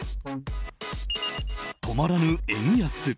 止まらぬ円安。